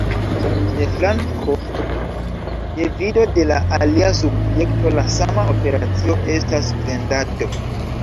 De flanko de vido de la alia subjekto la sama operacio estas vendado.